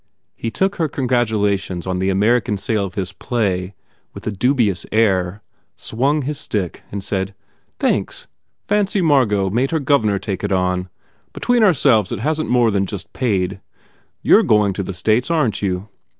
He took her congratulations on the American sale of his play with a dubious air, swung his stick and said, "Thanks. Fancy Mar got made her guv nor take it on. Between our selves it hasn t more than just paid. You re go ing to the States, aren t you?"